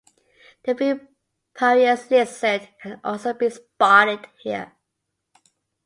The Viviparous lizard can also be spotted here.